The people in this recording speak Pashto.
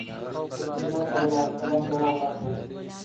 رسول الله صلی الله علیه وسلم ځواب راکړ.